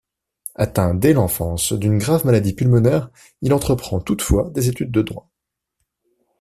Atteint dès l’enfance d’une grave maladie pulmonaire, il entreprend toutefois des études de droit.